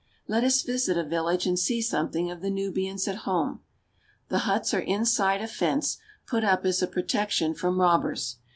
Let us visit a village and see something of the Nubians at home. The huts are inside a fence, put up as a protec tion from robbers.